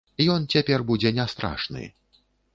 Ён цяпер будзе не страшны!